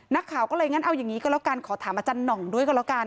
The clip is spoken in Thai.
นักข่าวก็เลยงั้นเอาอย่างนี้ก็แล้วกันขอถามอาจารย์หน่องด้วยก็แล้วกัน